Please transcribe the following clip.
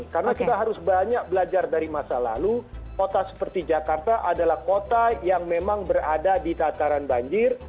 karena kita harus banyak belajar dari masa lalu kota seperti jakarta adalah kota yang memang berada di tataran banjir